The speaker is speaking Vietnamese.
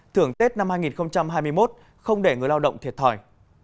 thưởng tết năm hai nghìn hai mươi một không để người lao động thiệt thòi